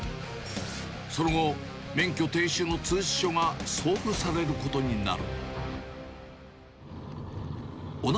その後、免許停止の通知書が送付されることになる。